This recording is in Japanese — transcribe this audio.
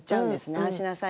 ああしなさい